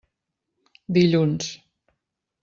Dilluns.